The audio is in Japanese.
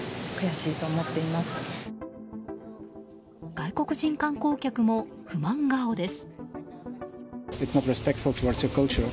外国人観光客も不満顔です。